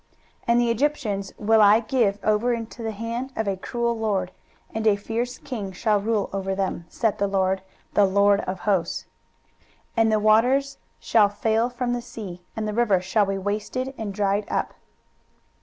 23:019:004 And the Egyptians will I give over into the hand of a cruel lord; and a fierce king shall rule over them, saith the Lord, the LORD of hosts. 23:019:005 And the waters shall fail from the sea, and the river shall be wasted and dried up.